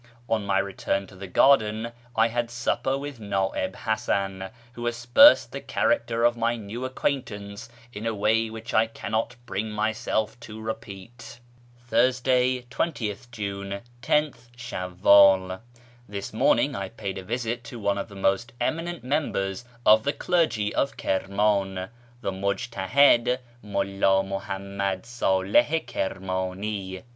On my return to the garden I had supper with Na'ib Hasan, who aspersed the character of my new acquaintance in a way which I cannot bring myself to repeat. Thursday 20th June, 10th Shaivwdl. — This morning I paid a visit to one of the most eminent members of the clergy of Kirman, the mujtahid MuUa Muhammad Salih i Kirmani.